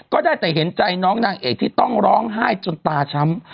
ก็ได้แต่เห็นใจน้องนางเอกที่ต้องร้องไห้จนตาช้ำ